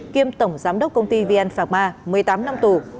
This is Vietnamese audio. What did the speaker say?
kiêm tổng giám đốc công ty vn phạc ma một mươi tám năm tù